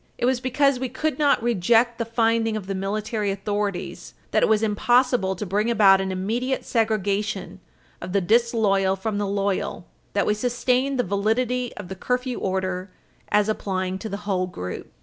It was because we could not reject the finding of the military authorities that it was impossible to bring about an immediate segregation of the disloyal from the loyal that we sustained the validity of the curfew order as applying to the whole group.